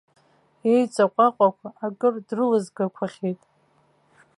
Иеиҵаҟәаҟәақәа акыр дрылзгақәахьеит.